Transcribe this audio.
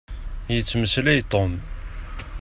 Yettmeslay Tom.